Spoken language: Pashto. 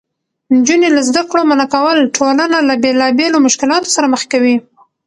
نجونې له زده کړو منعه کول ټولنه له بېلابېلو مشکلاتو سره مخ کوي.